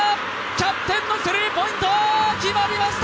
キャプテンのスリーポイント決まりました！